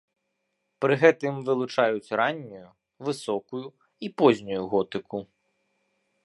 Пры гэтым вылучаюць раннюю, высокую і познюю готыку.